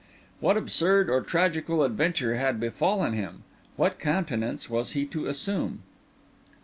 What absurd or tragical adventure had befallen him? What countenance was he to assume?